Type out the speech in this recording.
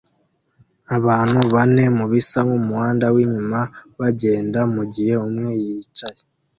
abantu bane mubisa nkumuhanda winyuma bagenda mugihe umwe yicaye